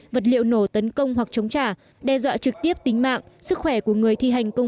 vật liệu nổ tấn công hoặc chống trả đe dọa trực tiếp tính mạng sức khỏe của người thi hành công